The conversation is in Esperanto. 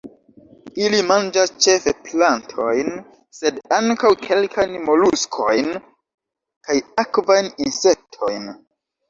Ili manĝas ĉefe plantojn, sed ankaŭ kelkajn moluskojn kaj akvajn insektojn.